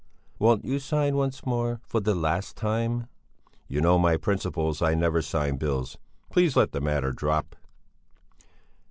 "Won't you sign once more? For the last time?" "You know my principles; I never sign bills. Please let the matter drop."